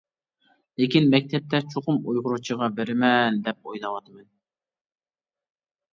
لېكىن مەكتەپتە چوقۇم ئۇيغۇرچىغا بېرىمەن دەپ ئويلاۋاتىمەن.